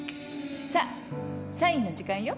さあサインの時間よ。